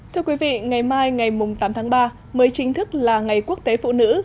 thưa quý vị ngày mai ngày tám tháng ba mới chính thức là ngày quốc tế phụ nữ